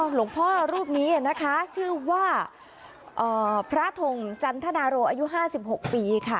อ๋อหลวงพ่อรูปนี้นะคะชื่อว่าเอ่อพระถงจันทนาโรอายุห้าสิบหกปีค่ะ